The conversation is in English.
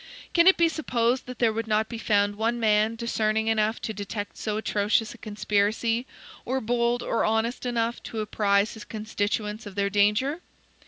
Can it be supposed that there would not be found one man, discerning enough to detect so atrocious a conspiracy, or bold or honest enough to apprise his constituents of their danger?